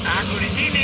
aku di sini